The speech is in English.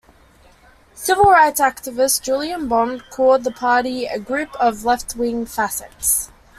Civil Rights activist Julian Bond called the party "a group of leftwing fascists".